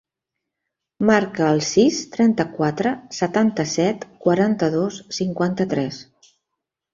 Marca el sis, trenta-quatre, setanta-set, quaranta-dos, cinquanta-tres.